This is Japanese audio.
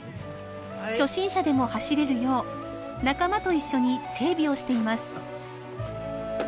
初心者でも走れるよう仲間と一緒に整備をしています。